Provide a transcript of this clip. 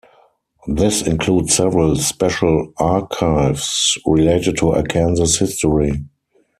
This includes several special archives related to Arkansas history.